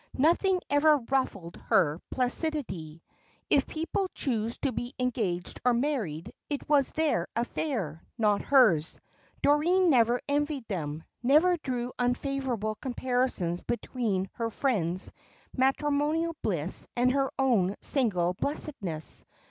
Nothing ever ruffled her placidity. If people chose to be engaged or married, it was their affair, not hers. Doreen never envied them, never drew unfavourable comparisons between her friends' matrimonial bliss and her own single blessedness.